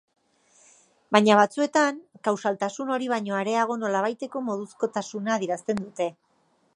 Baina, batzuetan, kausaltasun hori baino areago nolabaiteko moduzkotasuna adierazten dute.